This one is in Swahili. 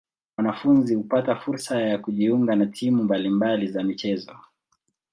Wanafunzi hupata fursa ya kujiunga na timu mbali mbali za michezo.